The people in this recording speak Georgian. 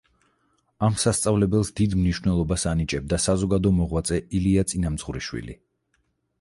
ამ სასწავლებელს დიდ მნიშვნელობას ანიჭებდა საზოგადო მოღვაწე ილია წინამძღვრიშვილი.